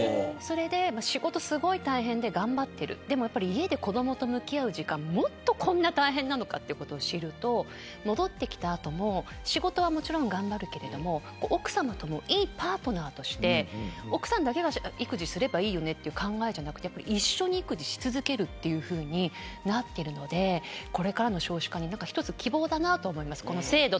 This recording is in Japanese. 仕事がすごい大変で頑張っている家で子どもと向き合う時間はこんなに大変なのかということを知ると戻ってきた後も仕事は頑張るけども奥さまともいいパートナーとして奥さんだけが育児をすればいいという考えじゃなくて、一緒に育児をし続けるというふうになっているので、これからの少子化に一つ希望だと思います。